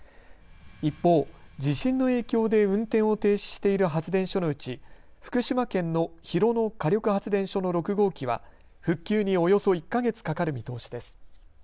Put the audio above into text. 一方、地震の影響で運転を停止している発電所のうち福島県の広野火力発電所の６号機は復旧におよそ１か月かかる見通しです。